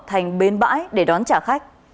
thành bến bãi để đón trả khách